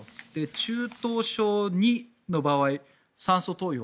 中等症２の場合酸素投与。